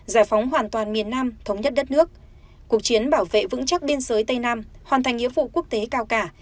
giải phóng hoàn toàn miền nam thống nhất đất nước cuộc chiến bảo vệ vững chắc biên giới tây nam hoàn thành nghĩa vụ quốc tế cao cả